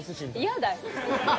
嫌だよ。